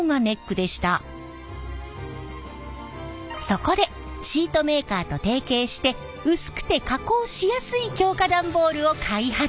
そこでシートメーカーと提携して薄くて加工しやすい強化段ボールを開発。